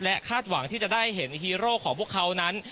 คาดหวังที่จะได้เห็นฮีโร่ของพวกเขานั้น